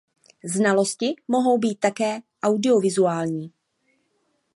Znalosti mohou být také audiovizuální.